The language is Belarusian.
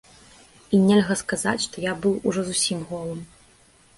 І нельга сказаць, што я быў ужо зусім голым.